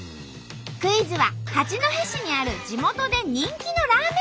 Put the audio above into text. クイズは八戸市にある地元で人気のラーメン店から。